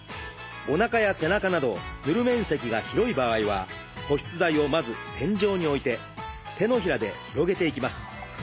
おなかや背中など塗る面積が広い場合は保湿剤をまず点状に置いて手のひらで広げていきます。